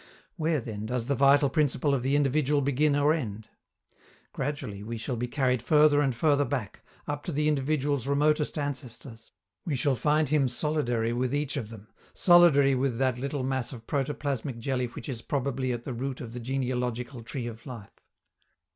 Where, then, does the vital principle of the individual begin or end? Gradually we shall be carried further and further back, up to the individual's remotest ancestors: we shall find him solidary with each of them, solidary with that little mass of protoplasmic jelly which is probably at the root of the genealogical tree of life.